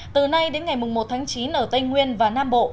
từ nay đến ngày một tháng chín ở tây nguyên và nam bộ